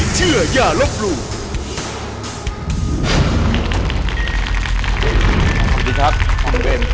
สวัสดีครับคุณเบน